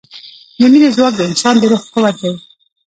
د مینې ځواک د انسان د روح قوت دی.